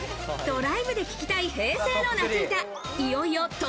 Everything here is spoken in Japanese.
ドライブで聴きたい平成の夏歌。